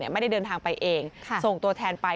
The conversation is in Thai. ไม่ได้เดินทางไปเองส่งตัวแทนไป